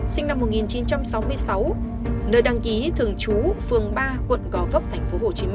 sinh năm một nghìn chín trăm sáu mươi sáu nơi đăng ký thường trú phường ba quận gò vấp tp hcm